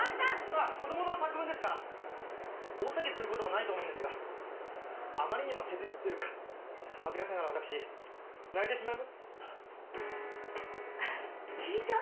まあ子供の作文ですから大騒ぎすることもないと思うんですがあまりにも切実というか恥ずかしながら私泣いてしまいました聞いた？